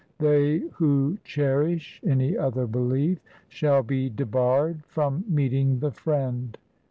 They who cherish any other belief, Shall be debarred from meeting the Friend.